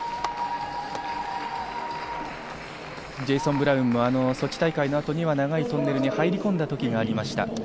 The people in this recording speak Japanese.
ジェイソン・ブラウンはソチ大会の後に長いトンネルに入り込んだときがありました。